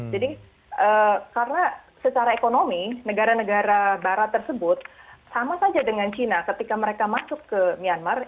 jadi karena secara ekonomi negara negara barat tersebut sama saja dengan china ketika mereka masuk ke myanmar